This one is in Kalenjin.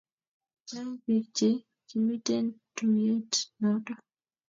Chang pik che kimiten tuyet noton